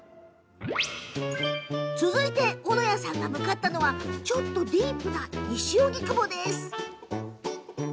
続いて斧屋さんが向かったのはちょっとディープな西荻窪です。